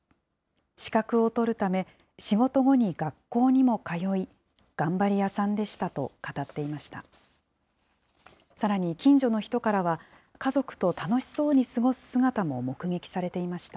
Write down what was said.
資格を取るため、仕事後に学校にも通い、頑張り屋さんでしたと語っていました。